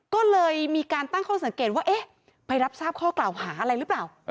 ก็เลยมีการตั้งข้อสังเกตว่าเอ๊ะไปรับทราบข้อกล่าวหาอะไรหรือเปล่า